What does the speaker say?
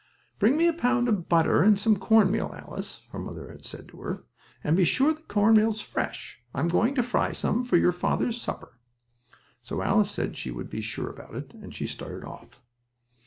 "Bring me a pound of butter and some cornmeal, Alice," her mother had said to her, "and be sure the cornmeal is fresh. I am going to fry some for your father's supper." So Alice said she would be sure about it, and she started off.